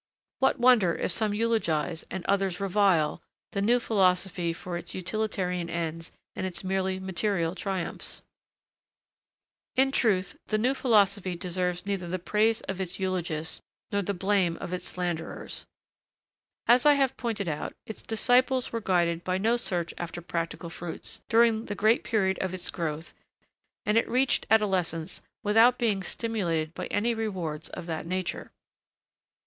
What wonder if some eulogise, and others revile, the new philosophy for its utilitarian ends and its merely material triumphs? [Sidenote: for scientific research rarely directed to practical ends] In truth, the new philosophy deserves neither the praise of its eulogists, nor the blame of its slanderers. As I have pointed out, its disciples were guided by no search after practical fruits, during the great period of its growth, and it reached adolescence without being stimulated by any rewards of that nature.